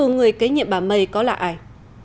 người kế nhiệm bà may có lạ ai